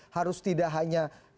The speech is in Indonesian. harus tidak hanya